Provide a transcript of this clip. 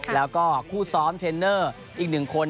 แล้วก็คู่ซ้อมเทรนเนอร์อีกหนึ่งคน